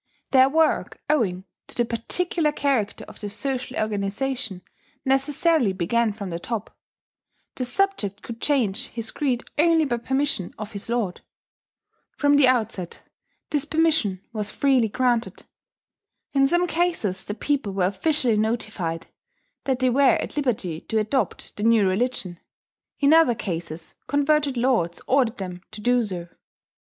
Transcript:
Their work, owing to the particular character of the social organization, necessarily began from the top: the subject could change his creed only by permission of his lord. From the outset this permission was freely granted. In some cases the people were officially notified that they were at liberty to adopt the new religion; in other cases, converted lords ordered them to do so.